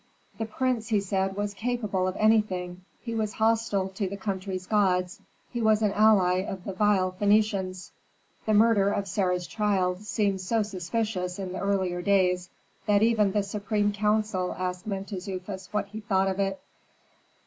The prince, he said, was capable of anything; he was hostile to the country's gods, he was an ally of the vile Phœnicians. The murder of Sarah's child seemed so suspicious in the earlier days, that even the supreme council asked Mentezufis what he thought of it.